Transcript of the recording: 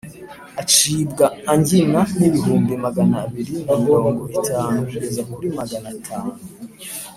Acibwa angina n’ibihumbi Magana abiri na mirongo itanu kugeza kuri Magana atanu